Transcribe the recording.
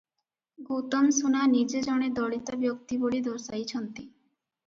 ଗୌତମ ସୁନା ନିଜେ ଜଣେ ଦଳିତ ବ୍ୟକ୍ତି ବୋଲି ଦର୍ଶାଇଛନ୍ତି ।